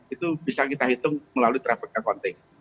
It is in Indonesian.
itu bisa kita hitung melalui traffic accounting